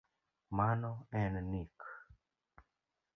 Mano en nik